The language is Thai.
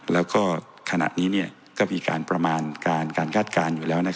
แล้วก็ขณะนี้ก็มีการประมาณการคาดการณ์อยู่แล้ว